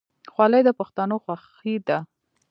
خولۍ د پښتنو خوښي ده.